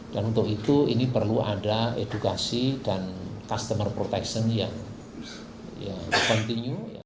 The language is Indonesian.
dan untuk itu ini perlu ada edukasi dan customer protection yang continue